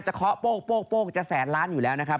เคาะโป้งจะแสนล้านอยู่แล้วนะครับ